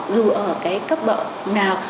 dù ở cái cấp bậc nào